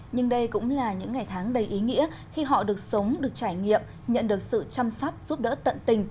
nhưng đây cũng là những ngày tháng đầy ý nghĩa khi họ được sống được trải nghiệm nhận được sự chăm sóc giúp đỡ tận tình